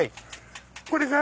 これが。